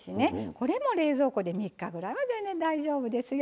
これも冷蔵庫で３日ぐらいは全然大丈夫ですよ。